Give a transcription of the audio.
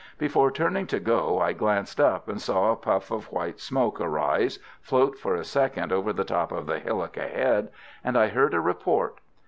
Before turning to go I glanced up, and saw a puff of white smoke arise, float for a second over the top of the hillock ahead, and I heard a report.